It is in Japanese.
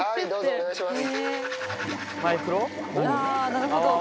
お願いします。